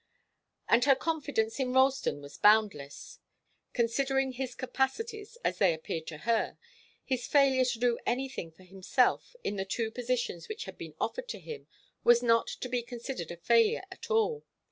And her confidence in Ralston was boundless. Considering his capacities, as they appeared to her, his failure to do anything for himself in the two positions which had been offered to him was not to be considered a failure at all.